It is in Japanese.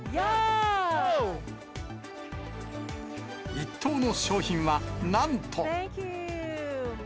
１等の賞品は、なんと。